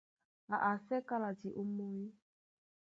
Á asɛ́ kálati ómɔ́ny.